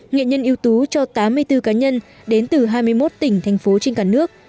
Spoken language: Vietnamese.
nghệ nhân yếu tố cho tám mươi bốn cá nhân đến từ hai mươi một tỉnh thành phố trên cả nước